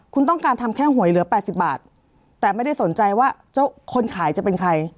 คุณต้องการทำแค่หวยเหลือ๘๐บาทแต่ไม่ได้สนใจว่าเจ้าคนขายจะเป็นใคร